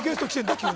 急に！